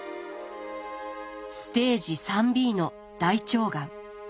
ステージ３ｂの大腸がん。